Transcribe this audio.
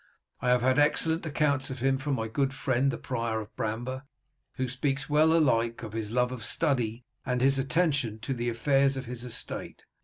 I have had excellent accounts of him from my good friend the prior of Bramber, who speaks well alike of his love of study and his attention to the affairs of his estate.